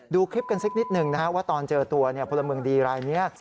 ดูคลิปกันสักนิดหนึ่งนะครับว่าตอนเจอตัวพลเมืองดีรายนี้